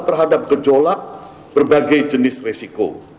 terhadap gejolak berbagai jenis resiko